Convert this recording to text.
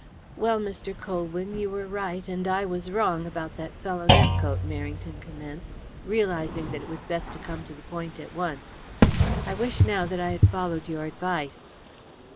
"Well, Mr. Colwyn, you were right and I was wrong about that fellow Nepcote," Merrington commenced, realizing that it was best to come to the point at once. "I wish now that I had followed your advice."